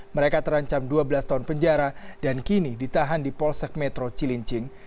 mereka terancam dua belas tahun penjara dan kini ditahan di polsek metro cilincing